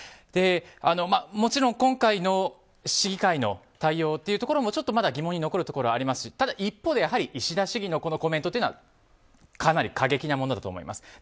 もちろん今回の市議会の対応というところもちょっとまだ疑問に残るところはありますがただ、一方で石田市議のコメントはかなり過激なものだと思います。